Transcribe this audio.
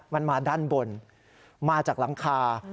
มันมาด้านบนมาจากหลังคา